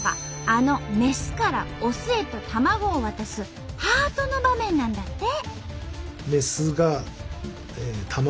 あのメスからオスへと卵を渡すハートの場面なんだって。